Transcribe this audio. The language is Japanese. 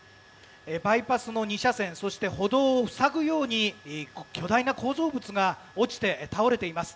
バイパスの２車線そして歩道を塞ぐように巨大な構造物が落ちて倒れています。